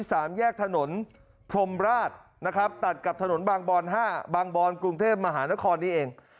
สามแยกถนนพรมราชนะครับตัดกับถนนบางบอนห้าบางบอนกรุงเทพมหานครนี้เอง